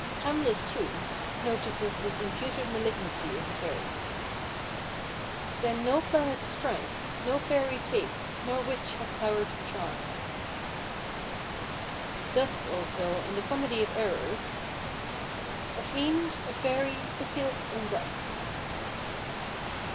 Hamlet, too, notices this imputed malignity of the fairies:— "... Then no planets strike, No fairy takes, nor witch has power to charm." Thus, also, in The Comedy of Errors:— "A fiend, a fairy, pitiless and rough."